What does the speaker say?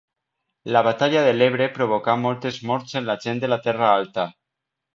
La Batalla de l'Ebre provocà moltes morts en la gent de la Terra Alta.